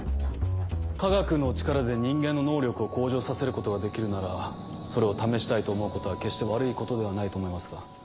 科学の力で人間の能力を向上させることができるならそれを試したいと思うことは決して悪いことではないと思いますが。